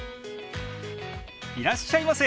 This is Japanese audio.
いらっしゃいませ！